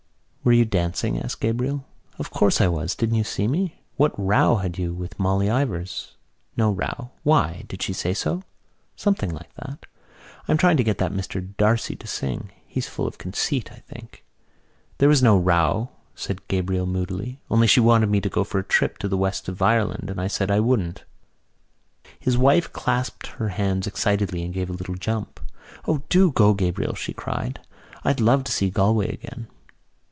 "Were you dancing?" asked Gabriel. "Of course I was. Didn't you see me? What row had you with Molly Ivors?" "No row. Why? Did she say so?" "Something like that. I'm trying to get that Mr D'Arcy to sing. He's full of conceit, I think." "There was no row," said Gabriel moodily, "only she wanted me to go for a trip to the west of Ireland and I said I wouldn't." His wife clasped her hands excitedly and gave a little jump. "O, do go, Gabriel," she cried. "I'd love to see Galway again."